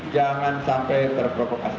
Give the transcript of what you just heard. jangan sampai terprovokasi